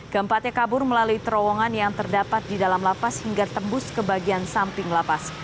keempatnya kabur melalui terowongan yang terdapat di dalam lapas hingga tembus ke bagian samping lapas